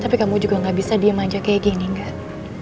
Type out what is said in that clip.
tapi kamu juga gak bisa diem aja kayak gini enggak